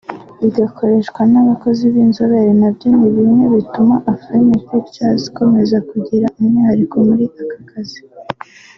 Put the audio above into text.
bigakoreshwa n’abakozi b’inzobere nabyo ni bimwe bituma Afrifame Pictures ikomeza kugira umwihariko muri aka kazi